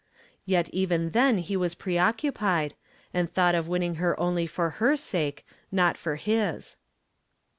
Yet even then he was preoccupied, and thought of winning her only for her sake, not for ln».